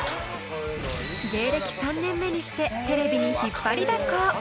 ［芸歴３年目にしてテレビに引っ張りだこ］